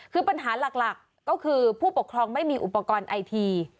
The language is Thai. คือปัญหาหลักก็คือผู้ปกครองไม่มีอุปกรณ์ไอที